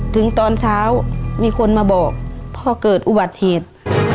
ถึงตอนเช้ามีคนมาบอกพอเกิดอุบัติเหตุ